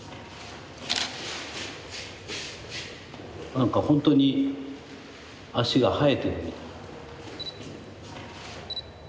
何かほんとに足が生えてるみたい。